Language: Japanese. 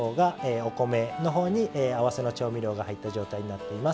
お米のほうに合わせの調味料が入った状態になっています。